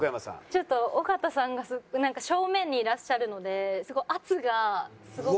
ちょっと尾形さんが正面にいらっしゃるので圧がすごくて。